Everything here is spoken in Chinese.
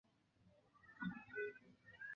索利尼莱埃唐格。